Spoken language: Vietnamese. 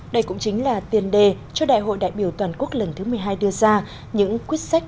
đây cũng chính là tiền đề cho đại hội đại biểu toàn quốc lần thứ một mươi hai đưa ra những quyết sách